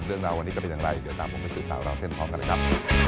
เรื่องราววันนี้จะเป็นอย่างไรเดี๋ยวตามผมไปสื่อสาวราวเส้นพร้อมกันเลยครับ